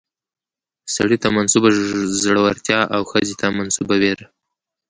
سړي ته منسوبه زړورتيا او ښځې ته منسوبه ويره